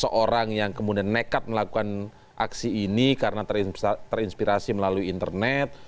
seorang yang kemudian nekat melakukan aksi ini karena terinspirasi melalui internet